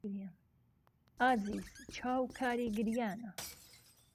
ئازیز چاوکاری گریانە